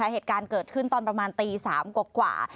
เหตุการณ์เกิดขึ้นตอนประมาณตี๓กว่า